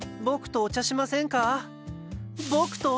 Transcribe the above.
僕とお茶しませんか？